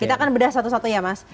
kita akan bedah satu satu ya mas